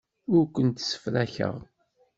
Ur kent-ssefrakeɣ.